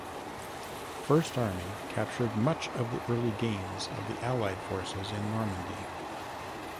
First Army captured much of the early gains of the Allied forces in Normandy.